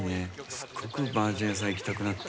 すごくマージャン屋さん行きたくなった。